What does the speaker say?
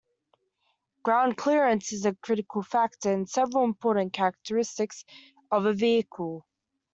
Ground clearance is a critical factor in several important characteristics of a vehicle.